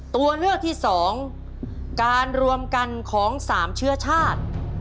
ตัวเลือกที่๒การรวมกันของ๓เชื้อชาติ